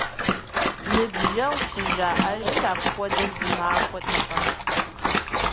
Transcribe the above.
Ныбжьэгъу щӀыжаӀэжыр апхуэдэ зы махуэтэкъэ?!